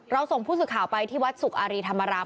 เราส่งผู้สืบข่าวไปที่วัดศุกร์อารีธรรมาราม